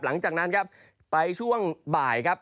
เพราะฉะนั้นครับไปช่วงบ่ายครับ